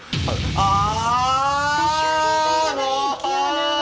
ああ！